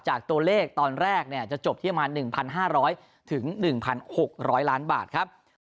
ตัวเลขตอนแรกจะจบที่ประมาณ๑๕๐๐๑๖๐๐ล้านบาทครับ